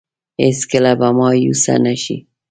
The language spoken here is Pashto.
هېڅ کله به مايوسه نه شي.